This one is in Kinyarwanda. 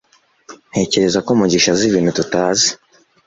ntekereza ko mugisha azi ibintu tutazi